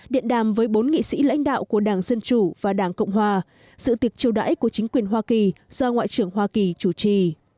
điện đàm với bốn nghị sĩ lãnh đạo của đảng dân chủ và đảng cộng hòa sự tiệc chiêu đãi của chính quyền hoa kỳ do ngoại trưởng hoa kỳ chủ trì